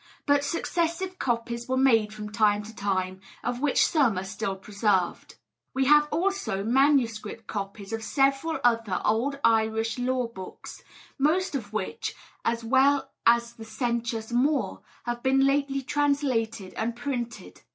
But successive copies were made from time to time, of which some are still preserved. We have also manuscript copies of several other old Irish law books, most of which, as well as the Senchus Mór, have been lately translated and printed.